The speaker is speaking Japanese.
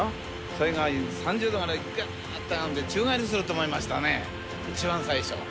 それが３０度くらいぐっといくんで、宙返りするのかと思いましたね、一番最初。